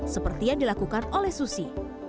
seperti yang dilakukan oleh susi